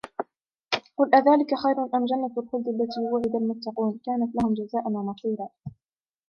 قل أذلك خير أم جنة الخلد التي وعد المتقون كانت لهم جزاء ومصيرا